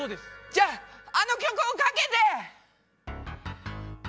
じゃああの曲をかけて！